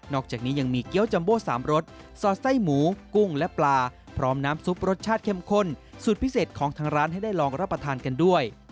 อกจากนี้ยังมีเกี้ยวจัมโบ๓รสสอดไส้หมูกุ้งและปลาพร้อมน้ำซุปรสชาติเข้มข้นสูตรพิเศษของทางร้านให้ได้ลองรับประทานกันด้วย